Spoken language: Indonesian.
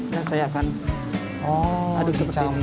dan saya akan aduk seperti ini